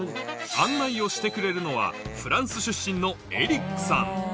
案内をしてくれるのはフランス出身のエリックさん